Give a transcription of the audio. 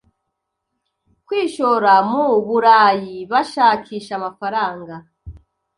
Kwishora mu burayi bashakisha amafaranga